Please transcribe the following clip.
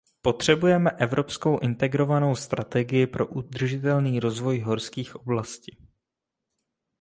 Potřebujeme evropskou integrovanou strategii pro udržitelný rozvoj horských oblasti.